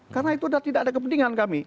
karena itu sudah tidak ada kepentingan kami